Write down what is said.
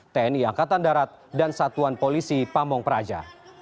tni angkatan darat dan satuan polisi pamong praja